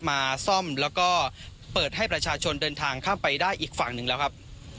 มาซ่อมแล้วก็เปิดให้ประชาชนเดินทางข้ามไปได้อีกฝั่งหนึ่งแล้วครับ